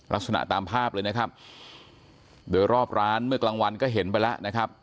ลักษณะตามภาพเลยนะครับโดยรอบร้านเมื่อกลางวันก็เห็นไปแล้วนะครับ